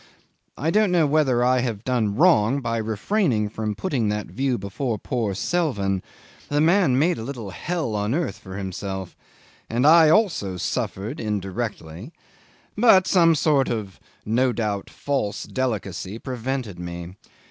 I don't know whether I have not done wrong by refraining from putting that view before poor Selvin: the man made a little hell on earth for himself, and I also suffered indirectly, but some sort of, no doubt, false delicacy prevented me.